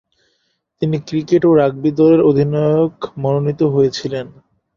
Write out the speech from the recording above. তিনি ক্রিকেট ও রাগবি দলের অধিনায়ক মনোনীত হয়েছিলেন।